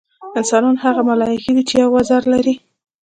انسانان هغه ملایکې دي چې یو وزر لري.